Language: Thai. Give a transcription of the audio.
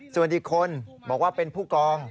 ส่วนอีกคนบอกว่าเป็นผู้กอง